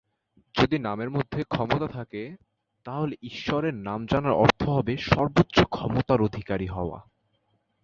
যদি নামের মধ্যে ক্ষমতা থাকে, তাহলে ঈশ্বরের নাম জানার অর্থ হবে সর্বোচ্চ ক্ষমতার অধিকারী হওয়া।